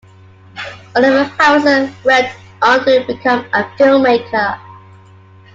Oliver Harrison went on to become a filmmaker.